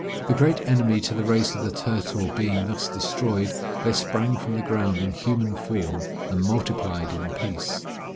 The great enemy to the race of the turtle being thus destroyed, they sprang from the ground in human form, and multiplied in peace.